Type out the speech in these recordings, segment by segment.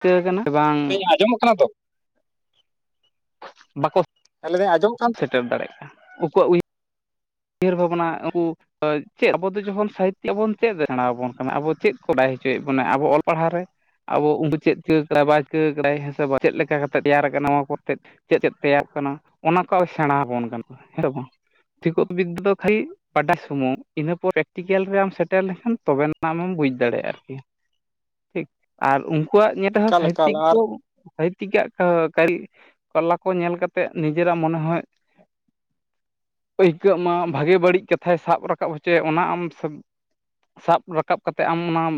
ᱪᱤᱠᱟᱹ ᱠᱟᱱᱟ ᱵᱟᱝ ᱦᱮᱸ ᱟᱸᱡᱚᱢᱚᱜ ᱠᱟᱱᱟ ᱛᱚ ᱵᱟᱠᱚ ᱛᱟᱦᱞᱮ ᱫᱚ ᱟᱸᱡᱚᱢ ᱥᱮᱴᱮᱨ ᱫᱟᱲᱮᱭᱟᱜ ᱠᱟᱱᱟ ᱩᱝᱠᱩᱣᱟᱜ ᱩᱭᱦᱟᱹᱨ ᱵᱷᱟᱵᱽᱱᱟ ᱩᱝᱠᱩ ᱪᱮᱫ ᱟᱵᱚ ᱫᱚ ᱡᱚᱠᱷᱚᱱ ᱥᱟᱦᱤᱛᱚ ᱟᱵᱚᱱ ᱪᱮᱫ ᱥᱮᱬᱟ ᱟᱵᱚᱱ ᱠᱟᱱᱟ ᱟᱵᱚ ᱪᱮᱫ ᱠᱚ ᱵᱟᱰᱟᱭ ᱦᱚᱪᱚᱭᱮᱫ ᱵᱚᱱᱟ ᱟᱵᱚ ᱚᱞ ᱯᱟᱲᱦᱟᱣ ᱨᱮ? ᱟᱵᱚ ᱩᱱᱠᱩ ᱪᱮᱫ ᱪᱤᱠᱟᱹᱠᱟᱫᱟᱭ ᱵᱟᱭ ᱪᱤᱠᱟᱹ ᱠᱟᱫᱟᱭ ᱦᱮᱸ ᱥᱮ ᱪᱮᱫ ᱞᱮᱠᱟ ᱠᱟᱛᱮ ᱛᱮᱭᱟᱨ ᱟᱠᱟᱱᱟ ᱱᱚᱣᱟ ᱠᱚᱛᱮ ᱪᱮᱫ ᱪᱮᱫ ᱛᱮᱭᱟᱨ ᱠᱟᱱᱟ ᱚᱱᱟ ᱠᱚ ᱥᱮᱬᱟ ᱟᱵᱚᱱ ᱠᱟᱱᱟ ᱦᱮᱸ ᱵᱟᱝ ᱴᱷᱤᱠᱚᱛ ᱵᱤᱫᱽᱫᱟᱹ ᱫᱚ ᱠᱷᱟᱹᱞᱤ ᱵᱟᱰᱟᱭ ᱥᱩᱢᱩᱝ ᱤᱱᱟᱹ ᱯᱚᱨ ᱯᱨᱮᱠᱴᱤᱠᱮᱞ ᱨᱮᱢ ᱥᱮᱴᱮᱨ ᱞᱮᱱᱠᱷᱟᱱ ᱛᱚᱵᱮᱱᱟᱜ ᱟᱢᱮᱢ ᱵᱩᱡᱽ ᱫᱟᱲᱮᱭᱟᱜᱼᱟ ᱟᱨᱠᱤ᱾ ᱴᱷᱤᱠ ᱟᱨ ᱩᱝᱠᱩᱣᱟᱜ ᱱᱤᱭᱟᱹ ᱛᱮ ᱦᱚᱸ ᱮᱠᱟᱞ ᱮᱠᱟᱞ ᱥᱟᱦᱤᱛᱛᱤᱠ ᱟᱨ ᱠᱚ ᱥᱦᱤᱛᱛᱤᱠᱟᱜᱼᱟ ᱠᱟᱹᱨᱤ ᱠᱟᱞᱟ ᱠᱚ ᱧᱮᱞ ᱠᱟᱛᱮ ᱱᱤᱡᱮᱨᱟᱜ ᱢᱚᱱᱮ ᱦᱚᱸᱭ ᱟᱹᱭᱠᱟᱹᱜ ᱢᱟ ᱵᱷᱟᱜᱮ ᱵᱟᱹᱲᱤᱡ ᱠᱟᱛᱷᱟᱭ ᱥᱟᱵ ᱨᱟᱠᱟᱵ ᱦᱚᱪᱚᱭ ᱚᱱᱟ ᱟᱢ ᱥᱟᱵ ᱨᱟᱠᱟᱵ ᱠᱟᱛᱮ ᱟᱢ ᱚᱱᱟᱢ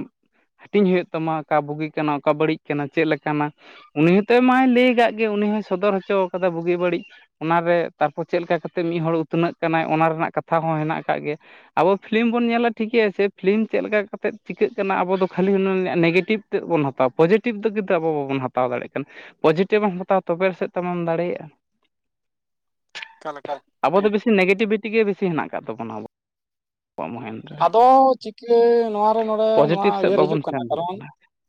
ᱦᱟᱹᱴᱤᱧ ᱦᱩᱭᱩᱜ ᱛᱟᱢᱟ ᱚᱠᱟ ᱵᱩᱜᱤ ᱠᱟᱱᱟ ᱚᱠᱟ ᱵᱟᱹᱲᱤᱡ ᱠᱟᱱᱟ ᱪᱮᱫ ᱞᱮᱠᱟᱱᱟ ᱩᱱᱤ ᱦᱚᱸᱛᱚᱭ ᱢᱟᱭ ᱞᱟᱹᱭ ᱠᱟᱜ ᱜᱮ ᱩᱱᱤ ᱦᱚᱭ ᱥᱚᱫᱚᱨ ᱦᱚᱪᱚ ᱠᱟᱫᱟ ᱵᱩᱜᱤ ᱵᱟᱹᱲᱤᱡ ᱚᱱᱟᱨᱮ ᱛᱟᱨᱯᱚᱨ ᱪᱮᱫᱞᱮᱠᱟ ᱠᱟᱛᱮ ᱢᱤᱫ ᱦᱚᱲ ᱩᱛᱱᱟᱹᱜ ᱠᱟᱱᱟᱭ ᱚᱱᱟ ᱨᱮᱱᱟᱜ ᱠᱟᱛᱷᱟ ᱦᱚᱸ ᱦᱮᱱᱟᱜ ᱟᱠᱟᱫ ᱜᱮ᱾ ᱟᱵᱚ ᱯᱷᱤᱞᱤᱢ ᱵᱚᱱ ᱧᱮᱞᱟ ᱴᱷᱤᱠᱮᱭ ᱟᱪᱪᱷᱮ ᱥᱮ ᱯᱷᱤᱞᱤᱢ ᱪᱮᱫ ᱞᱮᱠᱟ ᱠᱟᱛᱮ ᱪᱤᱠᱟᱹᱜ ᱠᱟᱱᱟ ᱟᱵᱚ ᱫᱚ ᱠᱷᱟᱹᱞᱤ ᱩᱱᱤᱭᱟ ᱱᱮᱜᱮᱴᱤᱵᱷ ᱛᱮᱫ ᱵᱚᱱ ᱦᱟᱛᱟᱣᱟ, ᱯᱚᱡᱮᱴᱤᱵᱷ ᱫᱚ ᱠᱤᱱᱛᱩ ᱟᱵᱚ ᱵᱟᱵᱚᱱ ᱦᱟᱛᱟᱣ ᱫᱟᱲᱮᱭᱟᱜ ᱠᱟᱱᱟ᱾ ᱯᱚᱡᱮᱴᱤᱵᱷᱮᱢ ᱦᱟᱛᱟᱣᱟ ᱛᱚᱵᱮ ᱨᱮ ᱥᱮᱫ ᱛᱚ ᱟᱢᱮᱢ ᱫᱟᱲᱮᱭᱟᱜᱼᱟ ᱮᱠᱟᱞ ᱮᱠᱟᱞ ᱟᱵᱚ ᱦᱮᱸ ᱫᱚ ᱵᱮᱥᱤ ᱱᱮᱜᱮᱴᱤᱵᱷᱤᱴᱤ ᱜᱮ ᱵᱮᱥᱤ ᱦᱮᱱᱟᱜ ᱟᱠᱟᱫ ᱛᱟᱵᱚᱱᱟ ᱟᱵᱚᱣᱟᱜ [unintelligible] ᱟᱫᱚ ᱪᱤᱠᱟᱹ ᱱᱚᱣᱟ ᱨᱮ ᱱᱚᱸᱰᱮ ᱱᱚᱣᱟ ᱩᱭᱦᱟᱹᱨ ᱦᱤᱡᱩᱜ ᱠᱟᱱᱟ ᱠᱟᱨᱚᱱ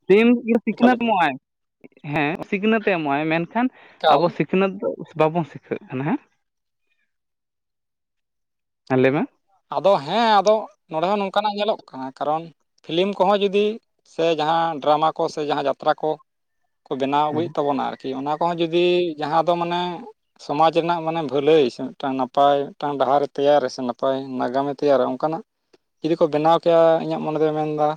ᱥᱤᱢ ᱮᱠᱟᱞ ᱥᱤᱠᱷᱱᱟᱹᱛ ᱮᱠᱟᱞ ᱮᱢᱚᱜᱼᱟᱭ ᱦᱮᱸ ᱥᱤᱠᱷᱱᱟᱹᱛ ᱮᱢᱚᱜ ᱟᱭ ᱢᱮᱱᱠᱷᱟᱱ ᱮᱠᱟᱞ ᱟᱵᱚ ᱥᱤᱠ ᱥᱤᱠᱷᱱᱟᱹᱛ ᱫᱚ ᱵᱟᱵᱚᱱ ᱥᱤᱠᱷᱟᱹᱜ ᱠᱟᱱᱟ ᱦᱮᱸ ᱦᱮᱸ ᱞᱟᱹᱭᱢᱮ ᱟᱫᱚ ᱦᱮᱸ ᱟᱫᱚ ᱱᱚᱸᱰᱮ ᱦᱚᱸ ᱱᱚᱝᱠᱟᱱᱟᱜ ᱧᱮᱞᱚᱜ ᱠᱟᱱᱟ ᱠᱟᱨᱚᱱ ᱯᱷᱤᱞᱤᱢ ᱠᱚᱦᱚᱸ ᱡᱩᱫᱤ ᱥᱮ ᱡᱟᱦᱟᱸ ᱰᱨᱟᱢᱟ ᱠᱚ ᱥᱮ ᱡᱟᱦᱟᱸ ᱡᱟᱛᱨᱟ ᱠᱚ ᱠᱚ ᱵᱮᱱᱟᱣ ᱦᱮᱸ ᱟᱹᱜᱩᱭᱮᱫ ᱛᱟᱵᱚᱱᱟ ᱟᱨᱠᱤ ᱚᱱᱟ ᱠᱚᱦᱚᱸ ᱡᱩᱫᱤ ᱡᱟᱦᱟᱸ ᱫᱚ ᱢᱟᱱᱮ ᱥᱚᱢᱟᱡᱽ ᱨᱮᱱᱟᱜ ᱢᱟᱱᱮ ᱵᱷᱟᱹᱞᱟᱹᱭ ᱥᱮ ᱢᱤᱫᱴᱟᱝ ᱱᱟᱯᱟᱭ ᱢᱤᱫᱴᱟᱝ ᱰᱟᱦᱟᱨᱮ ᱛᱮᱭᱟᱨᱮ ᱥᱮ ᱱᱟᱯᱟᱭ ᱱᱟᱜᱟᱢᱮ ᱛᱮᱭᱟᱨᱟ ᱚᱝᱠᱟᱱᱟᱜ ᱡᱩᱫᱤ ᱠᱚ ᱵᱮᱱᱟᱣ ᱠᱮᱭᱟ ᱤᱧᱟᱹᱜ ᱢᱚᱱᱮ ᱫᱚᱭ ᱢᱮᱱᱫᱟ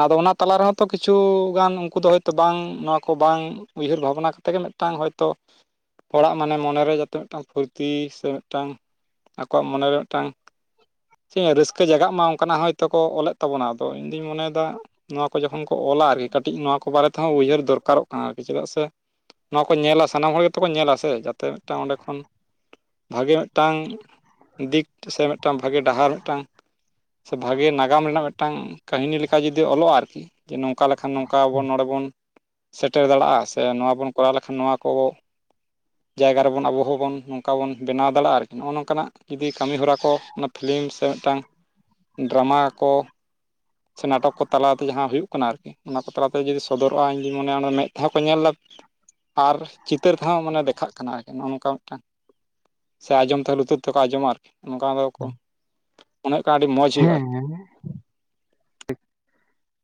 ᱟᱫᱚ ᱚᱱᱟ ᱛᱟᱞᱟ ᱨᱮᱦᱚᱸ ᱛᱚ ᱠᱤᱪᱷᱩ ᱜᱟᱱ ᱩᱝᱠᱩ ᱫᱚ ᱦᱳᱭᱛᱚ ᱵᱟᱝ ᱱᱚᱣᱟ ᱠᱚ ᱵᱟᱝ ᱩᱭᱦᱟᱹᱨ ᱵᱷᱟᱵᱱᱟ ᱠᱟᱛᱮ ᱜᱮ ᱢᱤᱫ ᱴᱟᱝ ᱦᱚᱭᱛᱳ ᱦᱚᱲᱟᱜ ᱢᱟᱱᱮ ᱢᱚᱱᱮᱨᱮ ᱡᱟᱛᱮ ᱢᱤᱫᱴᱟᱝ ᱯᱷᱩᱨᱛᱤ ᱥᱮ ᱢᱤᱫᱴᱟᱝ ᱟᱠᱚᱣᱟᱜ ᱢᱚᱱᱮᱨᱮ ᱴᱟᱝ ᱪᱮ ᱨᱟᱹᱥᱠᱟᱹ ᱡᱟᱜᱟᱜ ᱢᱟ ᱚᱝᱠᱟᱱᱟᱜ ᱦᱚᱭᱛᱳ ᱠᱚ ᱚᱞᱮᱫ ᱛᱟᱵᱚᱱᱟ ᱟᱫᱚ ᱤᱧᱫᱩᱧ ᱢᱚᱱᱮᱭᱫᱟ ᱱᱚᱣᱟ ᱠᱚ ᱡᱚᱠᱷᱚᱱ ᱠᱚ ᱚᱞᱟ ᱟᱨᱤ ᱠᱟᱹᱴᱤᱡ ᱱᱚᱣᱟ ᱠᱚ ᱵᱟᱨᱮ ᱛᱮᱦᱚᱸ ᱩᱭᱦᱟᱹᱨ ᱫᱚᱨᱠᱟᱨᱚᱜ ᱠᱟᱱᱟ ᱟᱨᱠᱤ ᱪᱮᱫᱟᱜ ᱥᱮ ᱱᱚᱣᱟ ᱠᱚ ᱧᱮᱞᱟ ᱥᱟᱱᱟᱢ ᱦᱚᱲ ᱜᱮᱛᱚ ᱠᱚ ᱧᱮᱞᱟ ᱥᱮ ᱡᱟᱛᱮ ᱢᱤᱫᱴᱟᱱ ᱚᱸᱰᱮ ᱠᱷᱚᱱ ᱵᱷᱟᱜᱮ ᱢᱤᱫᱴᱟᱝ ᱫᱤᱠ ᱥᱮ ᱢᱤᱫᱴᱟᱝ ᱵᱷᱟᱜᱮ ᱰᱟᱦᱟᱨ ᱢᱤᱫᱴᱟᱝ ᱥᱮ ᱵᱷᱟᱜᱮ ᱱᱟᱜᱟᱢ ᱨᱮᱱᱟᱜ ᱢᱤᱫᱴᱟᱝ ᱠᱟᱹᱦᱤᱱᱤ ᱞᱮᱠᱟ ᱡᱩᱫᱤ ᱚᱞᱚᱜᱼᱟ ᱟᱨᱠᱤ ᱡᱮ ᱱᱚᱝᱠᱟ ᱞᱮᱠᱷᱟᱱ ᱱᱚᱝᱠᱟ ᱟᱵᱚ ᱱᱚᱰᱮ ᱵᱚᱱ ᱥᱮᱴᱮᱨ ᱫᱟᱲᱮᱭᱟᱜᱼᱟ ᱥᱮ ᱱᱚᱣᱟ ᱵᱚᱱ ᱠᱚᱨᱟᱣ ᱞᱮᱠᱷᱟᱱ ᱱᱚᱣᱟ ᱠᱚ ᱡᱟᱭᱜᱟ ᱨᱮᱵᱚᱱ ᱟᱵᱚ ᱦᱚᱸᱵᱚᱱ ᱱᱚᱝᱠᱟ ᱵᱚᱱ ᱵᱮᱱᱟᱣ ᱫᱟᱲᱮᱼᱟ ᱟᱨᱠᱤ ᱱᱚᱜᱼᱚ ᱱᱚᱝᱠᱟᱱᱟᱜ ᱡᱩᱫᱤ ᱠᱟᱹᱢᱤ ᱦᱚᱨᱟ ᱠᱚ ᱚᱱᱟ ᱯᱷᱤᱞᱤᱢ ᱥᱮ ᱢᱤᱫᱴᱟᱝ ᱰᱨᱟᱢᱟ ᱠᱚ ᱥᱮ ᱱᱟᱴᱚᱠ ᱠᱚ ᱛᱟᱞᱟᱛᱮ ᱡᱟᱦᱟᱸ ᱦᱩᱭᱩᱜ ᱠᱟᱱᱟ ᱟᱨᱠᱤ ᱚᱱᱟ ᱠᱚ ᱛᱟᱞᱟᱛᱮ ᱡᱩᱫᱤ ᱥᱚᱫᱚᱨᱚᱜᱼᱟ ᱤᱧᱫᱩᱧ ᱢᱚᱱᱮᱭᱟ ᱚᱱᱟ ᱢᱮᱸᱫ ᱛᱮᱦᱚᱸ ᱠᱚ ᱧᱮᱞ ᱞᱟ ᱟᱨ ᱪᱤᱛᱟᱹᱨ ᱛᱮᱦᱚᱸ ᱢᱟᱱᱮ ᱫᱮᱠᱷᱟᱜ ᱠᱟᱱᱟ ᱟᱨᱠᱤ ᱱᱚᱜᱼᱚ ᱱᱚᱝᱠᱟ ᱢᱤᱫᱴᱟᱝ ᱥᱮ ᱟᱸᱡᱚᱢ ᱛᱮᱦᱚᱸ ᱞᱩᱛᱩᱨ ᱛᱮᱠᱚ ᱟᱸᱡᱚᱢᱟ ᱟᱨᱠᱤ ᱚᱝᱠᱟ ᱜᱮᱠᱚ, ᱢᱚᱱᱮᱜᱴ ᱦᱩᱭᱩᱜ ᱠᱟᱱᱟ ᱟᱹᱰᱤ ᱢᱚᱡᱽ ᱦᱩᱭᱩᱜᱼᱟ ᱟᱨᱠᱤ ᱦᱮᱸ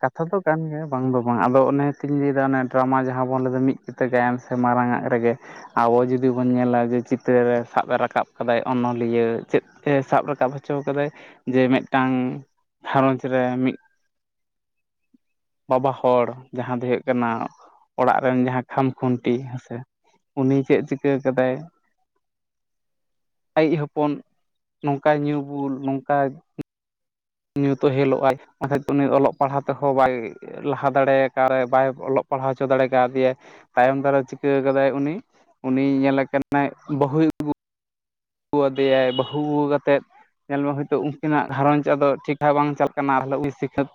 ᱠᱟᱛᱷᱟ ᱫᱚ ᱠᱟᱱ ᱜᱮᱭᱟ ᱵᱟᱝ ᱫᱚ ᱵᱟᱝ ᱟᱫᱚ ᱚᱱᱮ ᱛᱤᱧ ᱞᱟᱹᱭᱫᱟ ᱚᱱᱮ ᱰᱨᱟᱢᱟ ᱡᱟᱦᱟᱸ ᱵᱚᱱ ᱞᱟᱹᱭᱫᱟ ᱢᱤᱫ ᱠᱤᱛᱟᱹ ᱜᱟᱭᱟᱱ ᱥᱮ ᱢᱟᱨᱟᱝᱟᱜ ᱨᱮᱜᱮ ᱟᱵᱚ ᱡᱩᱫᱤ ᱵᱚᱱ ᱧᱮᱞᱟ ᱡᱮ ᱪᱤᱛᱟᱹᱨ ᱥᱟᱵ ᱨᱟᱠᱟᱵ ᱠᱟᱫᱟᱭ ᱚᱱᱚᱞᱤᱭᱟᱹ ᱪᱮᱫ ᱛᱮ ᱥᱟᱵ ᱨᱟᱠᱟᱵ ᱦᱚᱪᱚ ᱠᱟᱫᱟᱭ ᱡᱮ ᱢᱤᱫᱴᱟᱝ ᱜᱷᱟᱨᱚᱸᱡᱽ ᱨᱮ ᱢᱤᱜ ᱵᱟᱵᱟ ᱦᱚᱲ ᱡᱟᱦᱟᱸ ᱫᱚ ᱦᱩᱭᱩᱜ ᱠᱟᱱᱟ ᱚᱲᱟᱜ ᱨᱮᱱ ᱡᱟᱦᱟᱸ ᱠᱷᱟᱢ ᱠᱷᱩᱱᱴᱤ ᱦᱮᱸᱥᱮ ᱩᱱᱤ ᱪᱮᱜ ᱪᱤᱠᱟᱹ ᱠᱟᱫᱟᱭ ᱟᱭᱤᱡ ᱦᱚᱯᱚᱱ ᱱᱚᱝᱠᱟ ᱧᱩ ᱵᱩᱞ ᱱᱚᱝᱠᱟ ᱧᱩ ᱛᱚᱦᱮᱞᱚᱜᱼᱟᱭ ᱵᱟᱠᱷᱟᱡ ᱩᱱᱤ ᱚᱞᱚᱜ ᱯᱟᱲᱦᱟᱣ ᱛᱮᱦᱚᱸ ᱵᱟᱭ ᱞᱟᱦᱟ ᱫᱟᱲᱮ ᱠᱟᱨᱮ ᱵᱟᱭ ᱚᱞᱚᱜ ᱯᱟᱲᱦᱟᱣ ᱦᱚᱪᱚ ᱫᱟᱲᱮ ᱠᱟᱣ ᱫᱮᱭᱟᱭ ᱛᱟᱭᱚᱢ ᱫᱟᱨᱮ ᱪᱤᱠᱟᱹ ᱠᱟᱫᱟᱭ ᱩᱱᱤ ᱩᱱᱤ ᱧᱮᱞᱮ ᱠᱟᱱᱟᱭ ᱵᱟᱹᱦᱩᱭ ᱟᱹᱜᱩ ᱩ ᱟᱫᱮᱭᱟᱭ ᱵᱟᱹᱦᱩ ᱟᱹᱜᱩ ᱠᱟᱛᱮᱫ ᱧᱮᱞᱢᱮ ᱦᱳᱭᱛᱳ ᱩᱱᱠᱤᱱᱟᱜ ᱜᱷᱟᱨᱚᱸᱡᱽ ᱟᱫᱚ ᱴᱷᱤᱠ ᱴᱷᱟᱠ ᱵᱟᱝ ᱪᱟᱞ ᱠᱟᱱᱟ ᱵᱚᱞᱮ ᱥᱤᱠᱷᱟᱹᱛ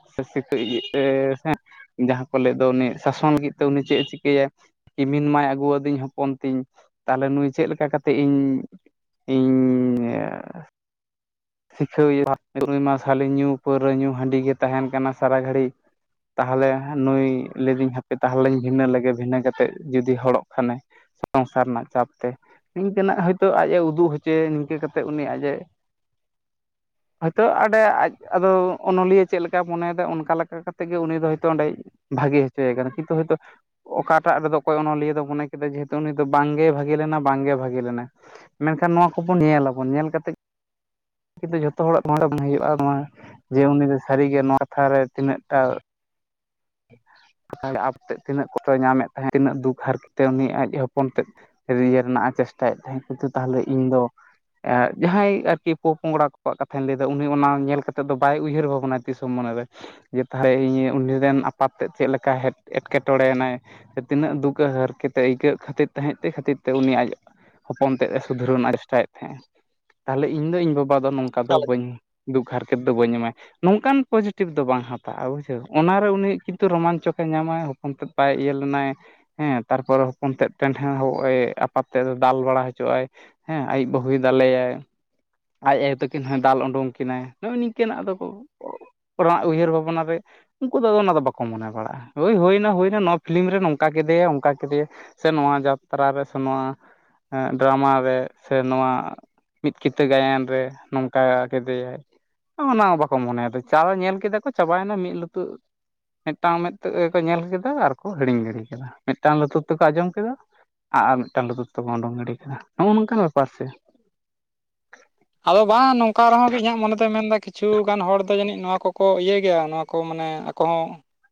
[unintelligible] ᱡᱟᱦᱟᱸ ᱠᱚ ᱞᱟᱹᱭᱮᱫ ᱫᱚ ᱩᱱᱤ ᱥᱟᱥᱚᱱ ᱞᱟᱹᱜᱤᱫ ᱛᱮ ᱩᱱᱤ ᱪᱮᱫ ᱮ ᱪᱤᱠᱟᱹᱭᱟ ᱠᱤᱢᱤᱱ ᱢᱟᱭ ᱟᱹᱜᱩ ᱣᱟᱹᱫᱤᱧ ᱦᱚᱯᱚᱱ ᱛᱤᱧ ᱛᱟᱦᱞᱮ ᱱᱩᱭ ᱪᱮᱫ ᱞᱮᱠᱟ ᱠᱟᱛᱮᱜ ᱤᱧ ᱤᱧ ᱥᱤᱠᱷᱟᱹᱣᱮᱭᱟ ᱱᱩᱭ ᱢᱟ ᱥᱟᱞᱤ ᱧᱩ ᱯᱟᱹᱣᱨᱟᱹ ᱧᱩ ᱦᱟᱺᱰᱤ ᱜᱮ ᱛᱟᱦᱮᱱ ᱠᱟᱱᱟ ᱥᱟᱨᱟ ᱜᱷᱟᱹᱲᱤᱡ ᱛᱟᱦᱮᱞᱮ ᱱᱩᱭ ᱞᱟᱹᱭ ᱫᱟᱹᱧ ᱦᱟᱯᱮ ᱛᱟᱦᱮᱞᱤᱧ ᱵᱷᱤᱱᱟᱹ ᱞᱮᱜᱮ ᱵᱷᱤᱱᱟᱹ ᱠᱟᱛᱮᱫ ᱡᱩᱫᱤ ᱦᱚᱲᱚᱜ ᱠᱷᱟᱱᱮ ᱥᱚᱝᱥᱟᱨ ᱨᱮᱱᱟᱜ ᱪᱟᱯ ᱛᱮ ᱱᱤᱝᱠᱟᱹᱱᱟᱜ ᱦᱚᱭᱛᱚ ᱟᱡᱼ ᱮ ᱩᱫᱩᱜ ᱦᱚᱪᱚᱭᱮ ᱱᱤᱝᱠᱟᱹ ᱠᱟᱛᱮᱫ ᱩᱱᱤ ᱟᱡᱼ ᱮ ᱦᱚᱭᱛᱚ ᱟᱰᱮ ᱟᱡ ᱟᱫᱚ ᱚᱱᱚᱞᱤᱭᱟᱹ ᱪᱮᱫ ᱞᱮᱠᱟᱭ ᱢᱚᱱᱮᱭᱫᱟ ᱚᱱᱠᱟ ᱞᱮᱠᱟ ᱠᱟᱛᱮᱫ ᱜᱮ ᱩᱱᱤ ᱫᱚ ᱦᱚᱭᱛᱚ ᱚᱸᱰᱮᱭ ᱵᱷᱟᱜᱮ ᱦᱚᱪᱚ ᱮ ᱠᱟᱱᱟᱭ ᱠᱤᱱᱛᱩ ᱦᱚᱭᱛᱚ ᱚᱠᱟᱴᱟᱜ ᱨᱮᱫᱚ ᱚᱠᱚᱭ ᱚᱱᱚᱞᱤᱭᱟᱹ ᱫᱚ ᱢᱚᱱᱮ ᱠᱮᱫᱟ ᱡᱮ ᱡᱮᱦᱮᱛᱩ ᱩᱱᱤ ᱫᱚ ᱵᱟᱝᱜᱮ ᱵᱷᱟᱜᱮ ᱞᱮᱱᱟ ᱵᱟᱝᱜᱮ ᱵᱷᱟᱜᱮ ᱞᱮᱱᱟ ᱢᱮᱱᱠᱷᱟᱱ ᱱᱚᱣᱟ ᱠᱚᱵᱚᱱ ᱧᱮᱞ ᱟᱵᱚᱱ ᱧᱮᱞ ᱠᱟᱛᱮᱜ ᱠᱤᱱᱛᱩ ᱡᱷᱚᱛᱚ ᱦᱚᱲᱟᱜ ᱠᱚᱦᱱᱰᱟ ᱠᱷᱚᱱ ᱦᱩᱭᱩᱜᱼᱟ ᱱᱚᱣᱟ ᱡᱮ ᱩᱱᱤ ᱫᱚ ᱥᱟᱹᱨᱤ ᱜᱮ ᱱᱚᱣᱟ ᱛᱷᱟᱨᱮ ᱛᱤᱱᱟᱹᱜ ᱴᱟ ᱟᱯᱛᱮᱫ ᱛᱤᱱᱟᱹᱜ ᱠᱚᱛᱚᱭ ᱧᱟᱢᱮᱫ ᱛᱟᱦᱮᱸ ᱛᱤᱱᱟᱹᱜ ᱫᱩᱠᱷ ᱦᱟᱨᱠᱮᱛ ᱛᱮ ᱩᱱᱤ ᱟᱡ ᱦᱚᱯᱚᱱ ᱛᱮᱫ ᱨᱮᱭᱟᱨ ᱨᱮᱱᱟᱜ ᱮ ᱪᱮᱥᱴᱟᱭᱮᱫ ᱛᱟᱦᱮᱸ ᱠᱤᱱᱛᱩ ᱛᱟᱦᱞᱮ ᱤᱧ ᱫᱚ ᱮ ᱡᱟᱦᱟᱸᱭ ᱟᱨᱠᱤ ᱯᱚᱼ ᱯᱚᱝᱲᱟ ᱠᱚᱣᱟᱜ ᱠᱟᱛᱷᱟᱧ ᱞᱟᱹᱭᱫᱟ ᱚᱱᱮ ᱚᱱᱟ ᱧᱮᱞ ᱠᱟᱛᱮᱫ ᱫᱚ ᱵᱟᱭ ᱩᱭᱦᱟᱹᱨ ᱵᱷᱟᱵᱽᱱᱟᱭ ᱛᱤᱥ ᱦᱚᱸ ᱢᱚᱱᱮᱨᱮ ᱡᱮ ᱛᱟᱦᱞᱮ ᱤᱧ ᱩᱱᱤ ᱨᱮᱱ ᱟᱯᱟᱛ ᱛᱮᱫ ᱪᱮᱫ ᱞᱮᱠᱟᱭ ᱦᱮ ᱮᱴᱠᱮᱴᱚᱬᱮ ᱱᱟᱭ ᱛᱤᱱᱟᱹᱜ ᱫᱩᱠᱷ ᱦᱟᱨᱠᱮᱛ ᱟᱹᱭᱠᱟᱹᱣᱮᱜ ᱠᱷᱟᱹᱛᱤᱨ ᱛᱟᱦᱮᱸᱫ ᱛᱮ ᱠᱷᱟᱹᱛᱤᱨ ᱛᱮ ᱩᱱᱤ ᱟᱡ ᱦᱚᱯᱚᱱ ᱛᱮᱫ ᱮ ᱥᱩᱫᱷᱨᱟᱹᱣ ᱨᱮᱱᱟᱜ ᱮ ᱪᱮᱥᱴᱟᱭᱮᱫ ᱛᱟᱦᱮᱸᱫ ᱛᱟᱦᱞᱮ ᱤᱧ ᱫᱚ ᱤᱧ ᱵᱟᱵᱟ ᱫᱚ ᱱᱚᱝᱠᱟ ᱫᱚ ᱵᱟᱹᱧ ᱫᱩᱠᱷ ᱦᱟᱨᱠᱮᱛ ᱫᱚ ᱵᱟᱹᱧ ᱮᱢᱟᱭ ᱱᱚᱝᱠᱟᱱ ᱯᱚᱡᱮᱴᱤᱵᱷ ᱫᱚ ᱵᱟᱝ ᱦᱟᱛᱟᱜᱼᱟ ᱵᱩᱡᱷᱟᱹᱣ ᱚᱱᱟᱨᱮ ᱩᱱᱤ ᱠᱤᱱᱛᱩ ᱨᱚᱢᱟᱱᱪᱚᱠ ᱮ ᱧᱟᱢᱟᱭ ᱦᱚᱯᱚᱱ ᱛᱮᱫ ᱵᱟᱭ ᱤᱭᱟᱹ ᱞᱮᱱᱟᱭ ᱦᱮᱸ ᱛᱟᱨᱯᱚᱨᱮ ᱦᱚᱯᱚᱱ ᱛᱮ ᱴᱮᱸᱰ ᱦᱚᱸᱭ ᱮᱭ ᱟᱯᱟᱛ ᱛᱮᱫ ᱫᱚᱭ ᱫᱟᱞ ᱵᱟᱲᱟ ᱦᱚᱪᱚᱼᱟᱭ ᱦᱮᱸ ᱟᱡ ᱵᱟᱹᱦᱩᱭ ᱫᱟᱞᱮᱭᱟᱭ ᱟᱡ ᱟᱭᱚ ᱛᱟᱹᱠᱤᱱ ᱦᱚᱸᱭ ᱫᱟᱞ ᱩᱰᱩᱠ ᱠᱤᱱᱟᱭ ᱱᱚᱜᱼᱚᱭ ᱱᱤᱝᱠᱟᱹᱱᱟᱜ ᱟᱫᱚ [unintelligible] ᱨᱟᱜ ᱩᱭᱦᱟᱹᱨ ᱵᱷᱟᱵᱽᱱᱟ ᱫᱚᱭ ᱩᱱᱠᱩ ᱫᱚ ᱟᱫᱚ ᱚᱱᱟ ᱫᱚ ᱵᱟᱠᱚ ᱢᱟᱱᱟ ᱵᱟᱲᱟᱜᱼᱟ ᱦᱳᱭ ᱦᱩᱭᱱᱟ ᱦᱩᱭᱱᱟ ᱱᱚᱣᱟ ᱯᱷᱤᱞᱤᱢ ᱨᱮ ᱱᱚᱝᱠᱟ ᱠᱮᱫᱮᱭᱟ ᱚᱱᱠᱟ ᱠᱮᱫᱮᱭᱟ ᱥᱮ ᱱᱚᱣᱟ ᱡᱟᱛᱨᱟ ᱨᱮ ᱥᱮ ᱱᱚᱣᱟ ᱰᱟᱨᱟᱢᱟ ᱨᱮ ᱥᱮ ᱱᱚᱣᱟ [unintelligible] ᱛᱮ ᱜᱟᱭᱟᱱ ᱨᱮ ᱱᱚᱝᱠᱟ ᱠᱮᱫᱮᱭᱟᱭ ᱚᱱᱟ ᱦᱚᱸ ᱵᱟᱠᱚ ᱢᱚᱱᱮ ᱮᱫᱟ ᱪᱟ ᱧᱮᱞ ᱠᱮᱫᱟ ᱠᱚ ᱪᱟᱵᱟᱭᱮᱱᱟ ᱢᱤᱫ ᱞᱩᱛᱩ ᱢᱤᱫᱴᱟᱝ ᱢᱮᱫ ᱛᱮ ᱠᱚ ᱧᱮᱞ ᱠᱮᱫᱟ ᱟᱨ ᱠᱚ ᱦᱤᱲᱤᱧ ᱜᱤᱰᱤ ᱠᱮᱫᱟ ᱢᱤᱫᱴᱟᱝ ᱞᱩᱛᱩᱨ ᱛᱮᱠᱚ ᱟᱸᱡᱚᱢ ᱠᱮᱫᱟ ᱟᱨ ᱢᱤᱫᱴᱟᱝ ᱞᱩᱛᱩᱨ ᱛᱮᱵᱚᱱ ᱩᱰᱩᱝ ᱜᱤᱰᱤ ᱠᱟᱜᱼᱟ ᱱᱚᱜᱼᱚᱭ ᱱᱚᱝᱠᱟᱱ ᱵᱮᱯᱟᱨ ᱥᱮ ᱟᱫᱚ ᱵᱟᱝ ᱱᱚᱝᱠᱟ ᱟᱨᱦᱚᱸ ᱤᱧᱟᱹᱜ ᱢᱚᱱᱮ ᱫᱚᱭ ᱢᱮᱱ ᱫᱟ ᱠᱤ ᱠᱤᱪᱷᱩ ᱜᱟᱱ ᱦᱚᱲ ᱫᱚ ᱡᱟᱹᱱᱤᱡ ᱱᱚᱣᱟ ᱠᱚᱠᱚ ᱤᱭᱟᱹᱭ ᱜᱮᱭᱟ ᱱᱚᱣᱟ ᱠᱚ ᱢᱟᱱᱮ ᱟᱠᱚ ᱦᱚᱸ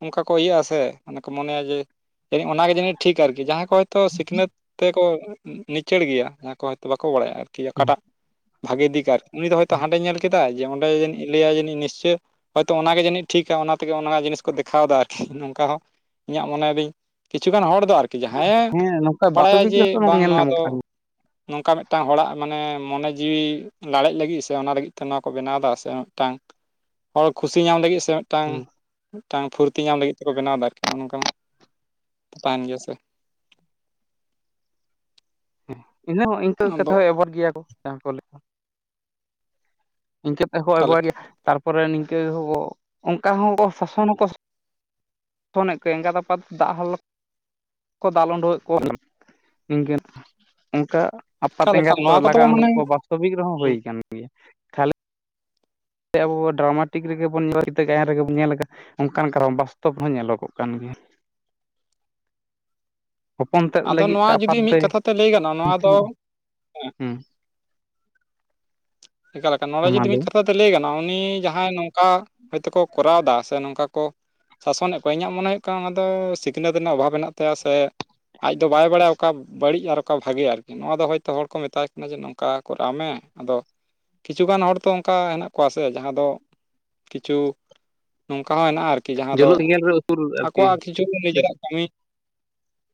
ᱚᱱᱠᱟ ᱠᱚ ᱤᱭᱟᱹᱜ ᱟᱥᱮ ᱚᱱᱮ ᱠᱚ ᱢᱚᱱᱮᱭᱟ ᱡᱮ ᱡᱟᱹᱱᱤᱡ ᱚᱱᱟᱜᱮ ᱡᱟᱹᱱᱤᱡ ᱴᱷᱤᱠ ᱟᱨᱠᱤ ᱡᱟᱦᱟᱸᱭ ᱠᱚ ᱦᱚᱭᱛᱚ ᱥᱤᱠᱷᱱᱟᱹᱛ ᱛᱮᱠᱚ ᱱᱤᱪᱟᱹᱲ ᱜᱮᱭᱟ ᱡᱟᱦᱟᱸᱭ ᱠᱚ ᱦᱚᱭᱛᱳ ᱵᱟᱠᱚ ᱵᱟᱲᱟᱭᱟ ᱟᱨᱠᱤ ᱟᱠᱟᱴᱟᱜ ᱵᱷᱟᱜᱮ ᱫᱤᱠ ᱟᱨ ᱩᱱᱤ ᱫᱚ ᱦᱚᱭᱛᱳ ᱦᱟᱸᱰᱮ ᱧᱮᱞ ᱠᱮᱫᱟᱭ ᱡᱮ ᱚᱸᱰᱮ ᱡᱟᱹᱱᱤᱡ ᱞᱟᱹᱭᱟ ᱡᱟᱹᱱᱤᱡ ᱱᱤᱥᱪᱚᱭ ᱦᱳᱭᱛᱳ ᱚᱱᱟᱜᱮ ᱡᱟᱹᱱᱤᱡ ᱴᱷᱤᱠᱟ ᱚᱱᱟ ᱛᱮᱜᱮ ᱚᱱᱟ ᱡᱤᱱᱤᱥ ᱠᱚ ᱫᱮᱠᱷᱟᱣᱮᱫᱟ [unintelligible] ᱱᱚᱝᱠᱟ ᱦᱚᱸ ᱤᱧᱟᱹᱜ ᱢᱚᱱᱮᱭᱮᱫᱤᱧ ᱠᱤᱪᱷᱩ ᱜᱟᱱ ᱦᱚᱲ ᱫᱚ ᱟᱨᱠᱤ ᱡᱟᱦᱟᱸᱭᱮ ᱦᱮᱸ ᱱᱚᱝᱠᱟ ᱵᱟᱲᱟᱭᱟ ᱵᱟᱥᱚᱵᱤᱠ ᱡᱮ ᱨᱮᱦᱚ ᱵᱟᱝ ᱧᱮᱞ ᱱᱚᱣᱟ ᱧᱟᱢᱚᱜ ᱫᱚ ᱠᱟᱱᱟ ᱱᱚᱝᱠᱟ ᱢᱤᱫᱴᱟᱝ ᱦᱚᱲᱟᱜ ᱢᱟᱱᱮ ᱢᱚᱱᱮ ᱡᱤᱣᱤ ᱞᱟᱲᱮᱡ ᱞᱟᱹᱜᱤᱫ ᱥᱮ ᱚᱱᱟ ᱞᱟᱹᱜᱤᱫ ᱛᱮ ᱱᱚᱣᱟ ᱠᱚ ᱵᱮᱱᱟᱣ ᱮᱫᱟ ᱥᱮ ᱢᱤᱫᱴᱟᱝ ᱦᱚᱲ ᱠᱷᱩᱥᱤ ᱧᱟᱢ ᱞᱟᱹᱜᱤᱫ ᱥᱮ ᱴᱟᱝ ᱦᱩᱸ ᱢᱤᱫᱴᱟᱝ ᱯᱷᱩᱨᱛᱤ ᱧᱟᱢ ᱞᱟᱹᱜᱤᱫ ᱛᱮᱠᱚ ᱵᱮᱱᱟᱣ ᱮᱫᱟ ᱟᱨᱠᱤ ᱱᱚᱜᱼᱚᱭ ᱱᱚᱝᱠᱟ ᱛᱟᱦᱮᱱ ᱜᱮᱭᱟ ᱥᱮ ᱦᱮᱸᱫᱟ ᱦᱚᱸ ᱤᱱᱠᱟᱹ ᱟᱫᱚ ᱠᱟᱛᱷᱟ ᱦᱚᱸ ᱚᱵᱷᱚᱨ ᱜᱮᱭᱟ ᱠᱚ ᱡᱟᱦᱟᱸ ᱠᱚ ᱞᱮᱠᱟ ᱤᱱᱠᱟᱹ ᱛᱮᱠᱚ ᱮᱵᱣᱟ ᱚᱠᱟᱞᱮᱠᱟ ᱜᱮ ᱛᱟᱨᱯᱚᱨᱮ ᱱᱤᱝᱠᱟᱹ ᱚᱱᱠᱟ ᱦᱚᱸ ᱥᱟᱥᱚᱱ ᱦᱚᱸᱠᱚ ᱯᱷᱳᱱ ᱮᱫ ᱠᱚᱣᱟ ᱮᱜᱟᱛ ᱯᱟ ᱫᱟᱜ ᱦᱚ ᱠᱚ ᱫᱟᱞ ᱩᱰᱩᱠ ᱠᱮ ᱠᱚᱣᱟ ᱱᱤᱝᱠᱟᱹ ᱚᱱᱠᱟ ᱟᱯᱟᱛ ᱮᱠᱟᱞᱮᱠᱟ ᱮᱸᱜᱟᱛ ᱠᱚ ᱱᱚᱣᱟ ᱠᱚᱫᱚ ᱞᱟᱜᱟ ᱩᱰᱩᱠ ᱢᱟᱱᱮ ᱠᱚ ᱵᱟᱥᱛᱚᱵᱤᱠ ᱨᱮᱦᱚᱸ ᱦᱩᱭ ᱟᱠᱟᱱ ᱜᱮᱭᱟ᱾ ᱠᱷᱟᱹᱞᱤ ᱟᱵᱚ ᱰᱨᱟᱢᱟᱴᱤᱠ ᱨᱮᱜᱮ ᱵᱚᱱ ᱧᱮᱞ ᱜᱟᱭᱟᱱ ᱨᱮᱜᱮ ᱵᱚᱱ ᱧᱮᱞ ᱟᱠᱟᱫᱟᱹ ᱚᱱᱠᱟᱱ ᱠᱟᱨᱚᱱ ᱵᱟᱥᱛᱚᱵ ᱦᱚᱸ ᱧᱮᱞᱚᱜᱚᱜ ᱠᱟᱱ ᱜᱮᱭᱟ᱾ ᱦᱚᱯᱚᱱ ᱛᱮᱫ ᱟᱫᱚ ᱞᱟᱹᱜᱤᱫ ᱱᱚᱣᱟ ᱛᱮ ᱡᱩᱫᱤ ᱟᱯᱟᱛ ᱢᱤᱫ ᱛᱮᱫ ᱠᱟᱛᱷᱟ ᱛᱮ ᱞᱟᱹᱭ ᱜᱟᱱᱚᱜᱼᱟ ᱱᱚᱣᱟ ᱫᱚ [unintelligible] ᱦᱩᱸ ᱮᱠᱟᱞ ᱮᱠᱟᱞ ᱱᱚᱣᱟ ᱢᱟ ᱡᱩᱫᱤ ᱞᱟᱹᱭ ᱢᱤᱫ ᱢᱮ᱾ ᱠᱟᱛᱷᱟᱛᱮ ᱞᱟᱹᱭ ᱜᱟᱱᱚᱜ ᱩᱱᱤ ᱡᱟᱦᱟᱸᱭ ᱱᱚᱝᱠᱟ ᱦᱚᱳᱭᱛᱠᱚ ᱠᱚᱨᱟᱣᱫᱟ ᱥᱮ ᱱᱚᱝᱠᱟ ᱠᱚ, ᱥᱟᱥᱚᱱᱮᱫ ᱠᱚᱣᱣᱟ ᱤᱧᱟᱹᱜ ᱢᱚᱱᱮ ᱦᱩᱭᱩᱜ ᱠᱟᱱᱟ ᱚᱱᱟ ᱫᱚ ᱥᱤᱠᱷᱱᱟᱹᱛ ᱨᱮᱱᱟᱜ ᱚᱵᱷᱟᱵᱽ ᱦᱮᱱᱟᱜ ᱛᱟᱭᱟ ᱥᱮ ᱟᱡ ᱫᱚ ᱵᱟᱭ ᱵᱟᱲᱟᱭᱟ ᱚᱠᱟ ᱵᱟᱹᱲᱤᱡ ᱟᱨ ᱚᱠᱟ ᱵᱷᱟᱜᱮ ᱟᱨᱠᱤ ᱱᱚᱣᱟ ᱫᱚ ᱦᱚᱭᱛᱚ ᱦᱚᱲ ᱠᱚ ᱢᱮᱛᱟᱭ ᱠᱟᱱᱟ ᱡᱮ ᱱᱚᱝᱠᱟ ᱠᱚᱨᱟᱣ ᱢᱮ, ᱟᱫᱚ ᱠᱤᱪᱷᱩᱩᱜᱟᱱ ᱦᱚᱲ ᱛᱚ ᱚᱱᱠᱟ ᱦᱮᱱᱟᱜ ᱠᱚᱣᱟ ᱥᱮ ᱡᱟᱦᱟᱸ ᱫᱚ ᱠᱤᱪᱷᱩ ᱱᱚᱝᱠᱟ ᱦᱚᱸ ᱦᱮᱱᱟᱜᱼᱟ ᱟᱨᱠᱤ ᱠᱤ ᱡᱟᱦᱟᱸ ᱫᱚ ᱡᱩᱞᱩᱜ ᱜᱮᱞ ᱨᱮ ᱩᱥᱩᱞ ᱟᱨᱠᱤ ᱟᱠᱚᱣᱟᱜ ᱠᱤᱪᱷᱩ ᱱᱤᱡᱮᱨᱟᱜ ᱠᱟᱹᱢᱤ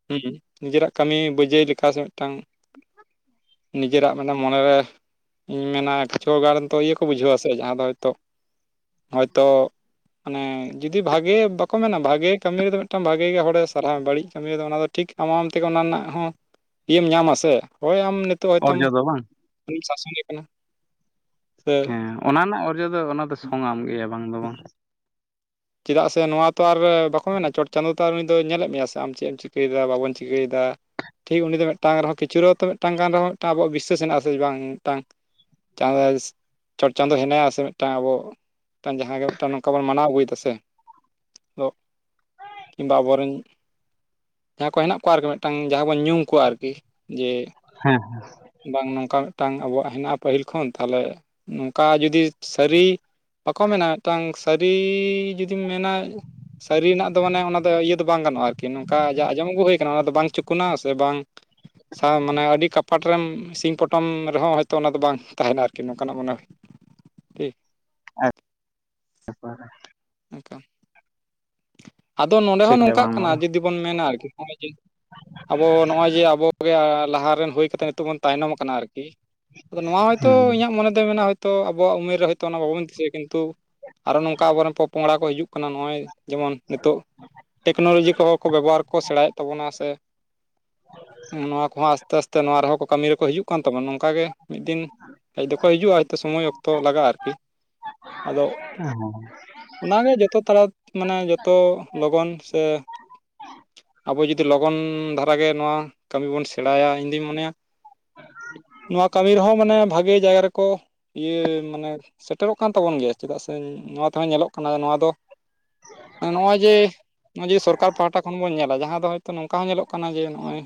[unintelligible] ᱱᱤᱡᱮᱨᱟᱜ ᱠᱟᱹᱢᱤ ᱵᱟᱹᱡᱟᱹᱭ ᱞᱮᱠᱟ ᱥᱮ ᱢᱤᱫᱴᱟᱝ ᱱᱤᱡᱮᱨᱟᱜ ᱢᱟᱱᱮ ᱢᱚᱱᱮᱨᱮ ᱤᱧ ᱢᱮᱱᱟ ᱠᱤᱪᱷᱩ ᱜᱟᱱ ᱛᱚ ᱤᱭᱟᱹ ᱠᱚ ᱵᱩᱡᱷᱟᱹᱣᱟ ᱥᱮ ᱡᱟᱦᱟᱸ ᱫᱚ ᱦᱚᱭᱛᱳ ᱦᱚᱭᱛᱚᱼ- ᱢᱟᱱᱮ ᱡᱩᱫᱤ ᱵᱷᱟᱜᱮ ᱵᱟᱠᱚ ᱢᱮᱱᱟ ᱵᱷᱟᱜᱮ ᱠᱟᱹᱢᱤ ᱨᱮ ᱢᱤᱫᱴᱟᱝ ᱵᱷᱟᱜᱮ ᱜᱮ ᱦᱚᱲᱮ ᱥᱟᱨᱦᱟᱣ ᱵᱟᱹᱲᱤᱡ ᱠᱟᱹᱢᱤ ᱨᱮᱫᱚ ᱚᱱᱟ ᱫᱚ ᱴᱷᱤᱠ ᱟᱢ ᱦᱚᱢ ᱟᱢ ᱛᱮᱜᱮ ᱚᱱᱟ ᱨᱮᱱᱟᱜ ᱦᱚᱸ ᱤᱭᱟᱹᱢ ᱧᱟᱢ ᱟ ᱥᱮᱮ ᱦᱳᱭ ᱟᱢ ᱱᱤ ᱛᱚᱜ ᱦᱚᱭᱛᱚᱢ ᱚᱨᱡᱚ ᱫᱚ ᱵᱟᱝ ᱩᱱᱤ ᱥᱟᱥᱚᱱᱮ ᱠᱟᱱᱟ᱾ ᱥᱮ ᱦᱮᱸ ᱚᱱᱟ ᱨᱮᱱᱟᱜ ᱚᱨᱡᱚ ᱫᱚ ᱚᱱᱟ ᱫᱚ ᱥᱚᱢᱟᱱ ᱜᱮᱭᱟ ᱵᱟᱝ ᱫᱚ ᱵᱟᱝ᱾ ᱪᱮᱫᱟᱜ ᱥᱮ ᱱᱚᱣᱟ ᱛᱚ ᱟᱨ ᱵᱟᱠᱚ ᱢᱮᱱᱟ ᱪᱚᱴ ᱪᱟᱸᱫᱚᱳ ᱛ ᱟᱨ ᱩᱱᱤ ᱫᱚ ᱧᱮᱞᱮᱫ ᱢᱮᱭᱟ ᱥᱮ ᱟᱢ ᱪᱮᱫ ᱮᱢ ᱪᱤᱠᱟᱹᱭᱮᱫᱟ ᱵᱟᱵᱚᱱ ᱪᱤᱠᱟᱹᱭᱮᱫᱟ᱾ ᱴᱷᱤᱠ ᱩᱱ ᱫᱚ ᱢᱤᱫᱴᱟᱝ ᱨᱮᱦᱚᱸ ᱠᱤᱪᱷᱩ ᱨᱮᱛᱚ ᱢᱤᱫᱴᱟᱝ ᱜᱟᱱ ᱨᱮᱦᱚᱸ ᱢᱤᱫᱴᱟᱝ ᱟᱵᱚᱣᱟᱜ ᱵᱤᱥᱟᱹᱥ ᱦᱮᱱᱟᱜᱼᱟ ᱥᱮ ᱵᱟᱝ ᱢᱤᱫᱴᱟᱝ, [unintelligible] ᱪᱚᱴ ᱪᱟᱸᱫᱚ ᱦᱮᱱᱟᱭᱟ ᱥᱮ ᱢᱤᱫᱴᱟᱝ ᱟᱵᱚ ᱢᱤᱫᱴ ᱡᱟᱦᱟᱸ ᱜᱮ ᱢᱤᱫᱟᱝ ᱱᱚᱝᱠᱟ ᱵᱚᱱ ᱢᱟᱱᱟᱣ ᱟᱹᱜᱩᱭ ᱫᱟ ᱥᱮ [inaudible] ᱠᱤᱝᱵᱟ ᱟᱵᱚ ᱨᱮᱱ ᱡᱟᱦᱟᱸᱭ ᱠᱚ ᱦᱮᱱᱟᱜ ᱠᱚᱣᱟ ᱟᱨᱠᱤ ᱢᱤᱫᱴᱟᱱ ᱡᱟᱦᱟᱸ ᱵᱚᱱ ᱧᱩᱢ ᱠᱚᱣᱟ ᱟᱨᱠᱤ, ᱡᱮ ᱦᱮᱸ ᱵᱟᱝ ᱱᱚᱝᱠᱟ ᱢᱤᱫᱴᱟᱝ ᱟᱵᱚᱣᱟᱜ ᱦᱮᱱᱟᱜᱼᱟ ᱯᱟᱹᱦᱤᱞ ᱠᱷᱚᱱ ᱛᱟᱦᱚᱞᱮ ᱱᱚᱝᱠᱟ ᱡᱩᱫᱤ ᱥᱟᱹᱨᱤ ᱵᱟᱠᱚ ᱢᱮᱱᱟ ᱢᱤᱫᱴᱟᱱ ᱥᱟᱹᱨᱤ ᱡᱩᱫᱤᱢ ᱢᱮᱱᱟ ᱥᱟᱹᱨᱤ ᱨᱮᱱᱟᱜ ᱫᱚ ᱢᱟᱱᱮ ᱚᱱᱟ ᱫᱚ ᱤᱭᱟᱹ ᱫᱚ ᱵᱟᱝ ᱜᱟᱱᱚᱜᱼᱟ ᱟᱨᱠᱤ ᱱᱚᱝᱠᱟ ᱡᱟ ᱟᱸᱚᱢ ᱟᱹᱜᱩ ᱦᱩᱭ ᱟᱠᱟᱱᱟ ᱚᱱᱟ ᱫᱚ ᱵᱟᱝ ᱪᱩᱠᱩᱱᱟ ᱥᱮ ᱵᱟᱝ ᱥᱟᱶ ᱢᱟᱱᱮ ᱟᱹᱰᱤ ᱠᱟᱯᱟᱴ ᱨᱮᱢ ᱥᱤᱧ ᱯᱚᱴᱚᱢ ᱨᱮᱦᱚᱸ ᱦᱚᱳᱭᱛᱳ ᱚᱱᱟ ᱫᱚ ᱵᱟᱝ ᱛᱟᱦᱮᱱᱟ ᱟᱨᱠᱤ, ᱱᱚᱝᱠᱟᱱᱟᱜ ᱢᱟᱱᱮ [inaudible] ᱟᱫᱚ ᱱᱚᱰᱮ ᱴᱷᱤᱠ ᱦᱚᱸ ᱜᱮᱭᱟ ᱱᱚᱝᱠᱟᱜ ᱵᱟᱝ ᱫᱚ ᱠᱟᱱᱟ ᱵᱟᱝ ᱡᱩᱫᱤ ᱵᱚᱱ ᱢᱮᱱᱟ ᱟᱨᱠᱤ, ᱟᱵᱚ ᱱᱚᱜᱼᱚᱭ ᱡᱮ ᱟᱵᱚᱜᱮ ᱞᱟᱦᱟᱨ ᱨᱮᱱ ᱦᱩᱭ ᱠᱟᱛᱮᱫ ᱱᱤᱛᱚᱜ ᱵᱚᱱ ᱛᱟᱭᱱᱚᱢ ᱟᱠᱟᱱᱟ ᱟᱨᱠᱤ, ᱟᱫᱚ ᱱᱚᱣᱟ ᱦᱚᱭᱛᱳ ᱤᱧᱟᱹᱜ ᱢᱚᱱᱮ ᱫᱚ ᱢᱮᱱᱟ ᱦᱚᱭ ᱛᱚ ᱟᱵᱚᱣᱟᱜ ᱩᱢᱮᱨ ᱨᱮ ᱦᱚᱭᱛᱚ ᱚᱱᱟ ᱵᱟᱵᱚᱱ ᱫᱤᱥᱟᱹᱭᱟ ᱠᱤᱱᱛᱩ ᱟᱨᱚ ᱱᱚᱝᱠᱟ ᱟᱵᱚᱨᱮᱱ ᱯᱚᱼᱯᱚᱝᱲᱟ ᱠᱚ ᱦᱤᱡᱩᱜ ᱠᱟᱱᱟ ᱱᱚᱜᱼᱚᱭ ᱡᱮᱢᱚᱱ ᱱᱤᱛᱚᱜ ᱴᱮᱠᱱᱳᱞᱚᱡᱤ ᱠᱚᱦᱚᱸ ᱠᱚ ᱵᱮᱵᱚᱦᱟᱨ ᱠᱚ ᱥᱮᱬᱟᱭᱮᱫ ᱛᱟᱵᱚᱱᱟ ᱥᱮ ᱱᱚᱣᱟ ᱠᱚᱦᱚᱸ ᱟᱥᱛᱮ ᱟᱥᱛᱮ ᱱᱚᱣᱟ ᱨᱮᱦᱚᱸ ᱠᱟᱹᱢᱤ ᱨᱮᱠᱚ ᱦᱤᱡᱩᱜ ᱠᱟᱱ ᱛᱟᱵᱚᱱᱟ ᱱᱚᱝᱠᱟ ᱜᱮ ᱢᱤᱫ ᱫᱤᱱ ᱦᱮᱸᱡ ᱫᱚᱠᱚ ᱦᱤᱡᱩᱜᱼᱟ ᱦᱚᱭᱛᱳ ᱥᱚᱢᱚᱭ ᱚᱠᱛᱚ ᱞᱟᱜᱟᱜᱼᱟ ᱟᱨᱠᱤ ᱟᱫᱚ [unintelligible] ᱚᱱᱟᱜᱮ ᱡᱚᱛᱚ ᱛᱟᱲᱟ ᱢᱟᱱᱮ ᱡᱚᱛᱚ ᱞᱚᱜᱚᱱ ᱥᱮ ᱟᱵᱚ ᱡᱩᱫᱤ ᱞᱚᱜᱚᱱ ᱫᱷᱟᱨᱟᱜᱮ ᱱᱚᱣᱟ ᱠᱟᱹᱢᱤ ᱵᱚᱱ ᱥᱮᱬᱟᱭᱟ ᱤᱧᱫᱩᱧ ᱢᱚᱱᱮᱭᱟ, ᱱᱚᱣᱟ ᱠᱟᱹᱢᱤ ᱨᱮᱦᱚᱸ ᱢᱟᱱᱮ ᱵᱷᱟᱜᱮ ᱡᱟᱭᱜᱟ ᱨᱮᱠᱚ ᱤᱭᱟᱹ ᱢᱟᱱᱮ ᱥᱮᱴᱮᱨᱚᱜ ᱠᱟᱱ ᱛᱟᱵᱚᱱ ᱜᱮᱭᱟ ᱪᱮᱫᱟᱜ ᱥᱮ ᱱᱚᱣᱟ ᱛᱮᱦᱚᱸ ᱧᱮᱞᱚᱜ ᱠᱟᱱᱟ ᱱᱚᱣᱟ ᱫᱚ, ᱱᱚᱜᱼᱚᱭ ᱡᱮ ᱱᱚᱜᱼᱚᱭ ᱡᱮ ᱥᱚᱨᱠᱟᱨ ᱯᱟᱦᱴᱟ ᱠᱷᱚᱱ ᱵᱚᱱ ᱧᱮᱞᱟ ᱡᱟᱦᱟᱸ ᱫᱚ ᱦᱳᱭᱛᱳ ᱱᱚᱝᱠᱟ ᱦᱚᱸ ᱧᱮᱞᱚᱜ ᱠᱟᱱᱟ ᱡᱮ ᱱᱚᱜᱚᱭ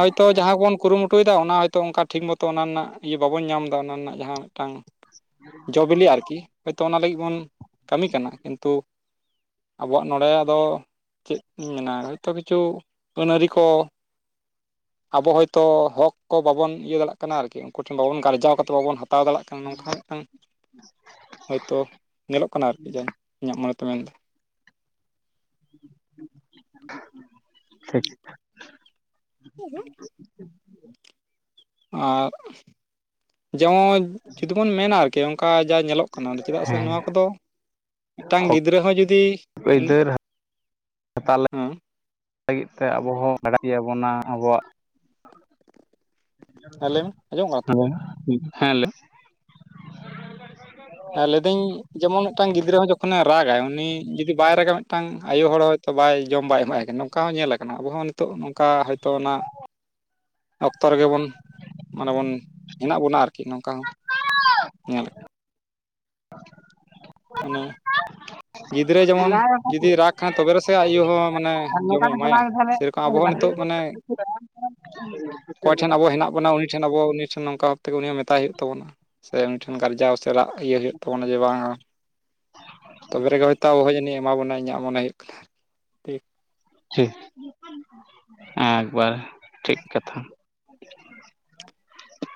ᱦᱚᱭᱛᱚ ᱡᱟᱦᱟᱸ ᱜᱮ ᱵᱚᱱ ᱠᱩᱨᱩᱢᱩᱴᱩᱭ ᱫᱟ ᱚᱱᱟ ᱦᱚᱭᱛᱳ ᱚᱱᱠᱟ ᱴᱷᱤᱠ ᱢᱚᱛᱚ ᱚᱱᱟ ᱨᱮᱱᱟᱜ ᱤᱭᱟᱹ ᱵᱟᱵᱚᱱ ᱧᱟᱢ ᱮᱫᱟ ᱚᱱᱟ ᱨᱮᱱᱟᱜ ᱡᱟᱦᱟᱸ ᱢᱤᱫᱴᱟᱝ ᱡᱚ ᱵᱤᱞᱤ ᱟᱨᱠᱤ ᱦᱳᱭᱛᱳ ᱚᱱᱟ ᱞᱟᱹᱜᱤᱫ ᱵᱚᱱ ᱠᱟᱹᱢᱤ ᱠᱟᱱᱟ ᱠᱤᱱᱛᱩ ᱟᱵᱚᱣᱟᱜ ᱱᱚᱰᱮ ᱟᱫᱚ ᱪᱮᱫ ᱤᱧ ᱢᱮᱱᱟ ᱡᱚᱭᱛᱚ ᱠᱤᱪᱷᱩ ᱟᱹᱱ ᱟᱨᱤ ᱠᱚ, ᱟᱵᱚ ᱦᱚᱭᱛᱳ ᱦᱚᱠ ᱠᱚ ᱵᱟᱵᱚᱱ ᱤᱭᱟᱹ ᱫᱟᱲᱭᱟᱜ ᱠᱟᱱᱟ ᱟᱨᱠᱤ ᱩᱱᱠᱩ ᱴᱷᱮᱱ ᱵᱟᱵᱚᱱ ᱜᱟᱨᱡᱟᱣ ᱠᱟᱛᱮ ᱵᱟᱵᱚᱱ ᱦᱟᱛᱟᱣ ᱦᱟᱛᱟᱣ ᱫᱟᱲᱮᱭᱟᱜ ᱠᱟᱱᱟ ᱱᱚᱝᱠᱟ ᱦᱚᱸ ᱢᱤᱫᱴᱟᱝ ᱦᱳᱭᱛᱳ ᱧᱮᱞᱚᱜ ᱠᱟᱱᱟ ᱟᱨᱠᱤ ᱡᱟ ᱤᱧᱟᱹᱜ ᱢᱚᱱᱮᱛᱮ ᱢᱮᱱᱫᱟ ᱴᱷᱤᱠ [unintelligible] ᱟᱜ [unintelligible] ᱡᱩᱫᱤ ᱵᱚᱱ ᱢᱮᱱᱟ ᱟᱨᱠᱤ ᱠᱮ ᱚᱱᱠᱟ ᱡᱟ ᱧᱮᱞᱚᱜ ᱠᱟᱱᱟ ᱟᱫᱚ ᱪᱮᱫᱟᱜ ᱥᱮ ᱦᱮᱸ ᱱᱚᱣᱟ ᱠᱚᱫᱚ ᱢᱤᱫᱴᱟᱝ ᱦᱚᱠ ᱜᱤᱫᱽᱨᱟᱹ ᱦᱚᱸ ᱡᱩᱫᱤ ᱩᱱᱤ ᱟᱹᱭᱫᱟᱹᱨ ᱦᱟᱛᱟᱞᱮ ᱦᱮᱸ ᱞᱟᱹᱜᱤᱫ ᱛᱮ ᱟᱵᱚ ᱦᱚᱸ [unintelligible] ᱟᱵᱚᱣᱟᱜ ᱦᱮᱸ ᱞᱟᱹᱭ ᱢᱮ ᱟᱸᱡᱚᱢᱚᱜ ᱠᱟᱱᱟ ᱛᱚ ᱦᱮᱸ ᱞᱮ ᱮ ᱞᱟᱹᱭ ᱫᱟᱹᱧ ᱡᱮᱢᱚᱱ ᱢᱤᱫᱴᱟᱝ ᱜᱤᱫᱽᱟᱹ ᱦᱚᱸ ᱡᱚᱠᱷᱚᱱᱮ ᱨᱟᱜᱟᱭ ᱩᱱᱤ ᱡᱩᱫᱤ ᱵᱟᱭ ᱨᱟᱜᱟ ᱢᱤᱫᱴᱟᱝ ᱟᱭᱳ ᱦᱚᱲ ᱦᱚᱭᱛᱳ ᱵᱟᱭ ᱡᱚᱢ ᱵᱟᱭ ᱮᱢᱟᱭ ᱠᱟᱱᱟ ᱚᱱᱠᱟ ᱦᱚᱸ ᱧᱮᱞ ᱠᱟᱱᱟ ᱟᱵᱚᱦᱚᱸ ᱱᱤᱛᱚᱜ ᱱᱚᱝᱠᱟ ᱦᱚᱭᱛᱚ ᱚᱱᱟ ᱚᱠᱛᱚ ᱨᱮᱜᱮ ᱵᱚᱱ ᱢᱟᱱᱮ ᱵᱚᱱ ᱦᱮᱱᱟᱜ ᱵᱚᱱᱟ ᱟᱨᱠᱤ ᱱᱚᱝᱠᱟ ᱦᱚᱸ ᱧᱮᱞ ᱢᱟᱱᱮ ᱜᱤᱫᱽᱨᱟᱹ ᱡᱮᱢᱚᱱ ᱡᱩᱫᱤ ᱨᱟᱜᱽ ᱠᱷᱟᱱ ᱛᱚᱵᱮ ᱨᱮᱥᱮ ᱟᱭᱳ ᱦᱚᱸ ᱢᱟᱱᱮ [unintelligible] ᱡᱚᱢᱮ ᱮᱢᱟᱭᱟ ᱥᱮᱨᱚᱠᱚᱢ ᱟᱵᱚ ᱦᱚᱸ ᱱᱤᱛᱚᱜ ᱢᱟᱱᱮ [unintelligible] ᱚᱠᱚᱭ ᱴᱷᱮᱱ ᱟᱵᱚ ᱦᱮᱱᱟᱜ ᱵᱚᱱᱟ ᱩᱱᱤ ᱴᱷᱮᱱ ᱟᱵᱚ ᱩᱱᱤ ᱴᱷᱮᱱ ᱱᱚᱝᱠᱟ ᱵᱷᱟᱵ ᱛᱮ ᱜᱮ ᱩᱱᱤ ᱢᱮᱛᱟᱭ ᱦᱩᱭᱩᱜ ᱛᱟᱵᱚᱱᱟ᱾ ᱥᱮ ᱩᱱᱤ ᱴᱷᱮᱱ ᱜᱟᱨᱡᱟᱣ ᱥᱮ ᱨᱟᱜᱽ ᱤᱭᱟᱹ ᱦᱩᱭᱩᱜ ᱛᱟᱵᱚᱱᱟ ᱡᱮ ᱵᱟᱝᱼᱟ ᱛᱚᱵᱮ ᱨᱮ ᱜᱮ ᱦᱚᱭᱛᱚ ᱟᱵᱚ ᱦᱚᱸ ᱡᱟᱹᱱᱤ ᱮᱢᱟ ᱵᱚᱱᱟ ᱤᱧᱟᱹᱜ ᱢᱚᱱᱮ ᱦᱩᱭᱩᱜ ᱠᱟᱱᱟ᱾ ᱴᱷᱤᱠ [unintelligible] ᱮᱠᱵᱟᱨ ᱴᱷᱤᱠ ᱠᱟᱛᱷᱟ [inaudible]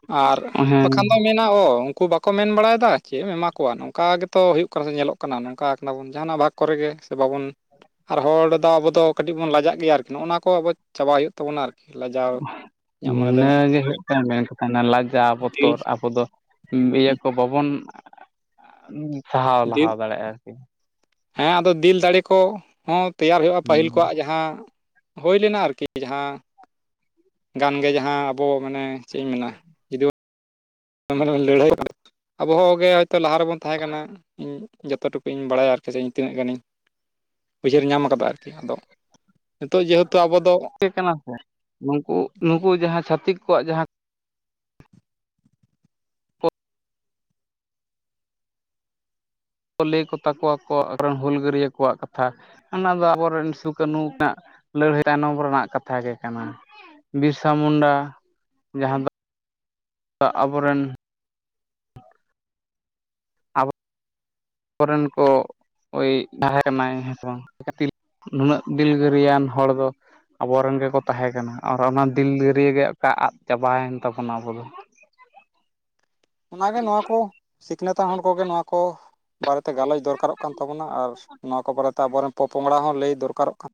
ᱟᱨ ᱦᱮᱸ ᱵᱟᱠᱷᱟᱱ ᱫᱚ ᱢᱮᱫ ᱚ ᱩᱱᱠᱩ ᱵᱟᱠᱚ ᱢᱮᱱ ᱵᱟᱲᱟᱭᱮᱫᱟ ᱪᱮᱫ ᱮᱢ ᱮᱢᱟ ᱠᱚᱣᱟ ᱱᱚᱝᱠᱟ ᱜᱮᱛᱚ ᱦᱩᱭᱩᱜ ᱠᱟᱱᱟ ᱥᱮ ᱧᱮᱞᱚᱜ ᱠᱟᱱᱟ ᱱᱚᱝᱠᱟ ᱠᱟᱱᱟ ᱵᱚᱱ ᱡᱟᱦᱟᱱᱟᱜ ᱵᱷᱟᱜᱽ ᱠᱚᱨᱮ ᱜᱮ ᱵᱟᱵᱚᱱ ᱟᱨ ᱦᱚᱲ ᱫᱚ ᱟᱵᱚ ᱫᱚ ᱠᱟᱹᱴᱤᱡᱽ ᱵᱚᱱ ᱞᱟᱡᱟᱜ ᱜᱮᱭᱟ ᱟᱨᱠᱤ ᱱᱚᱜᱚ ᱱᱚᱣᱟ ᱠᱚ ᱟᱵᱚ ᱪᱟᱵᱟ ᱦᱩᱭᱩᱜ ᱛᱟᱵᱚᱱᱟ ᱟᱨᱠᱤ ᱞᱟᱡᱟᱣ ᱤᱧᱟᱹᱜ ᱢᱚᱱᱮ ᱫᱚᱭ ᱢᱮᱱᱟ ᱤᱱᱟᱹᱜᱮ ᱦᱩᱭᱩᱜ ᱠᱟᱱᱟ ᱢᱮᱱ ᱠᱟᱛᱷᱟ ᱞᱟᱡᱟᱣ ᱫᱤᱞ ᱵᱚᱛᱚᱨ ᱟᱵᱚ ᱫᱚ ᱤᱭᱟᱹ ᱠᱚ ᱵᱟᱵᱚᱱ ᱟ ᱥᱟᱦᱟᱣ ᱫᱤᱞ ᱞᱟᱦᱟ ᱫᱟᱲᱮᱭᱟᱜᱼᱟ ᱟᱨᱠᱤ ᱦᱮᱸ ᱟᱫᱚ ᱫᱤᱞ ᱫᱟᱲᱮ ᱠᱚ ᱦᱚᱸ ᱛᱮᱭᱟᱨ ᱦᱩᱭᱩᱜᱼᱟ ᱯᱟᱹᱦᱤᱞ ᱠᱚᱣᱟᱜ ᱡᱟᱦᱟᱸ ᱦᱳᱭ ᱞᱮᱱᱟ ᱟᱨᱠᱤ ᱡᱟᱦᱟᱸ ᱜᱟᱱᱜᱮ ᱡᱟᱦᱟᱸ ᱟᱵᱚ ᱢᱟᱱᱮ ᱪᱮᱫ ᱤᱧ ᱢᱮᱱᱟ ᱚᱱᱚ ᱞᱟᱹᱲᱦᱟᱭ [unintelligible] ᱟᱵᱚᱦ ᱦᱚᱸᱜ ᱜᱮ ᱦᱚᱭᱛᱚ ᱞᱟᱦᱟ ᱨᱮᱵᱚᱱ ᱛᱟᱦᱮᱸ ᱠᱟᱱᱟ ᱤᱧ ᱡᱚᱛᱚ ᱴᱩᱠᱩ ᱤᱧ ᱵᱟᱲᱟᱭᱟ ᱟᱨᱠᱤ ᱤᱧ ᱛᱤᱱᱟᱹᱜ ᱜᱟᱱᱤᱧ ᱩᱭᱦᱟᱹᱨ ᱧᱟᱢᱟ ᱠᱟᱫᱟ ᱟᱨᱠᱤ ᱟᱫᱚ ᱱᱤᱛᱚᱜ ᱡᱮᱦᱮᱛᱩ ᱟᱵᱚ ᱫᱚ ᱠᱟᱱᱟ ᱥᱮ ᱱᱩᱠᱩ ᱱᱩᱠᱩ ᱡᱟᱦᱟᱸ ᱪᱷᱟᱹᱛᱤᱠ ᱠᱚᱣᱟᱜ ᱡᱟᱦᱟᱸ ᱞᱟᱹᱭ ᱠᱚ ᱛᱟᱠᱚ ᱟᱠᱚᱣᱟ ᱟᱠᱚ ᱨᱮᱱ ᱦᱩᱞᱜᱟᱹᱨᱭᱟᱹ ᱠᱚᱣᱟᱜ ᱠᱟᱛᱷᱟ ᱚᱱᱟ ᱫᱚ ᱟᱵᱚᱨᱮᱱ ᱥᱩ ᱠᱟᱹᱱᱩ ᱠᱤᱱᱟᱜ ᱞᱟᱹᱲᱦᱟᱹᱭ ᱛᱟᱭᱱᱚᱢ ᱨᱮᱱᱟᱜ ᱠᱟᱛᱷᱟ ᱜᱮ ᱠᱟᱱᱟ᱾ ᱵᱤᱨᱥᱟ ᱢᱩᱱᱰᱟ ᱡᱟᱦᱟᱸ ᱫᱚ ᱟᱵᱚᱨᱮᱱ ᱚᱨᱮᱱ ᱠᱚ ᱳᱭ ᱛᱟᱦᱮᱸ ᱠᱟᱱᱟᱭ ᱦᱮᱸᱥ ᱛᱤᱞ ᱱᱩᱱᱟᱹᱜ ᱫᱤᱞᱜᱟᱹᱨᱤᱭᱟᱱ ᱦᱚᱲ ᱫᱚ ᱟᱵᱚᱨᱮᱱ ᱜᱮᱠᱚ ᱛᱟᱦᱮᱸ ᱠᱟᱱᱟ ᱟᱨ ᱚᱱᱟ ᱫᱤᱞᱜᱟᱹᱨᱤᱭᱟᱹ ᱜᱮ ᱚᱠᱟ ᱟᱫᱽ ᱪᱟᱵᱟᱭᱮᱱ ᱛᱟᱵᱚᱱᱟ ᱟᱵᱚ ᱫᱚ ᱚᱱᱟᱜᱮ ᱱᱚᱣᱟ ᱠᱚ ᱥᱤᱠᱷᱱᱟᱹᱛᱟᱱ ᱦᱚᱲ ᱠᱚᱜᱮ ᱱᱚᱣᱟ ᱠᱚ ᱵᱟᱨᱮ ᱛᱮ ᱜᱟᱞᱚᱪ ᱫᱚᱨᱠᱟᱨᱚᱜ ᱠᱟᱱ ᱛᱟᱵᱚᱱᱟ ᱟᱨ ᱱᱚᱣᱟ ᱠᱚ ᱵᱟᱨᱮ ᱛᱮ ᱟᱵᱚᱨᱮᱱ ᱯᱚᱯᱚᱝᱲᱟ ᱦᱚᱸ ᱞᱟᱹᱭ ᱫᱚᱨᱠᱟᱨᱚᱜ ᱠᱟᱱ᱾